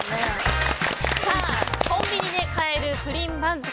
コンビニで買えるプリン番付。